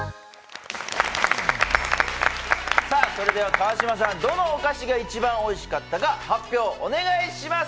川島さん、どのお菓子が一番おいしかったのか発表をお願いします。